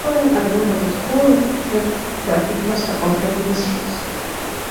The following are the member schools, listed with their headmaster or headmistress.